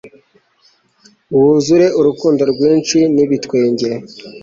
wuzure urukundo rwinshi nibitwenge